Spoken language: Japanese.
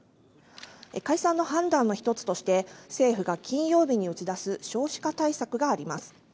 解散の判断の１つとして政府が金曜日に打ち出す少子化対策があります。